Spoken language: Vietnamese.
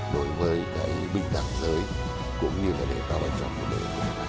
đối với cái bình đẳng giới cũng như là đề cao ở trong cuộc đời